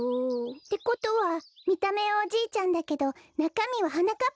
てことはみためはおじいちゃんだけどなかみははなかっ